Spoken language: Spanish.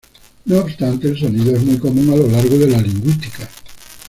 No obstante, el sonido es muy común a lo largo de la lingüística.